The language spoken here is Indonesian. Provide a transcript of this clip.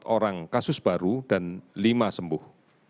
satu ratus tiga puluh empat orang kasus baru dan lima sembuh